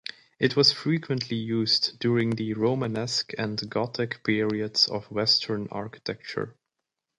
It was frequently used during the Romanesque and Gothic periods of Western architecture.